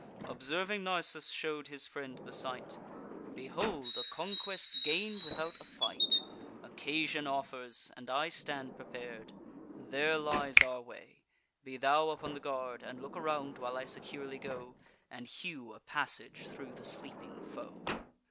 Observing Nisus shew'd his friend the sight: "Behold a conquest gain'd without a fight. Occasion offers, and I stand prepar'd; There lies our way; be thou upon the guard, And look around, while I securely go, And hew a passage thro' the sleeping foe."